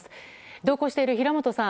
同行している平本さん